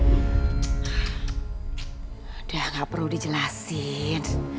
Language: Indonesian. udah gak perlu dijelasin